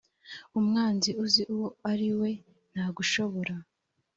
umwanzi uzi uwo ari we ntagushobora